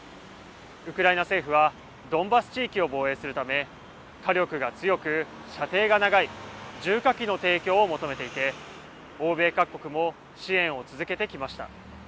ウクライナ政府はドンバス地域を防衛するため火力が強く、射程が長い重火器の提供を求めていて欧米各国も支援を続けてきました。